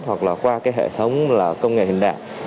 hoặc là qua cái hệ thống là công nghệ hiện đại